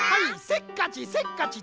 せっかちせっかち